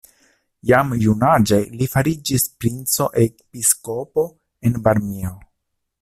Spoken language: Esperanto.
Jam junaĝe li fariĝis princo-episkopo en Varmio.